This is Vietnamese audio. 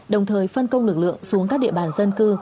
đồng thời phân công lực lượng xuống các địa bàn dân cư